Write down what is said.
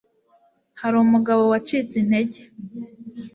Hari umugabo wacitse intege